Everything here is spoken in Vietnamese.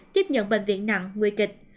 tiếp nhận bệnh viện nặng nguy kịch